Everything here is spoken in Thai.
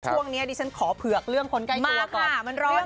ช่วงนี้ดิฉันขอเผือกเรื่องคนใกล้ตัวก่อนมันร้อน